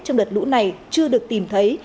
trong đợt lũ này chưa được tìm thấy